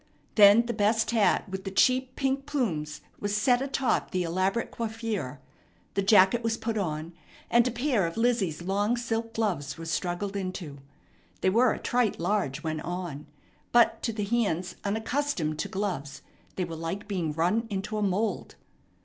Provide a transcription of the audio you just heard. Then the best hat with the cheap pink plumes was set atop the elaborate coiffure; the jacket was put on; and a pair of Lizzie's long silk gloves were struggled into. They were a trite large when on, but to the hands unaccustomed to gloves they were like being run into a mould.